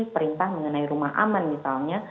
perintah mengenai rumah aman misalnya